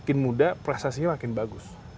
makin muda prestasinya makin bagus